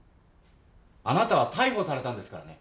あなたは逮捕されたんですからね。